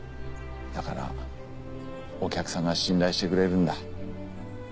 だからお客さんが信頼してくれるんだ。